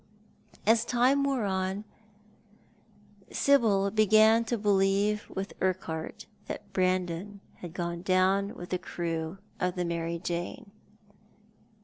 As time wore on Sibyl began to believe with Urquhart that Brandon had gone down with the cresv of the Mary Jane.